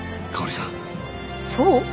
そう？